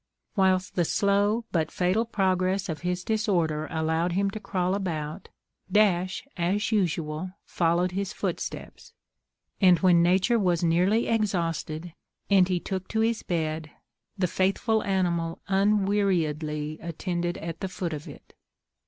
Whilst the slow but fatal progress of his disorder allowed him to crawl about, Dash, as usual, followed his footsteps; and when nature was nearly exhausted, and he took to his bed, the faithful animal unweariedly attended at the foot of it.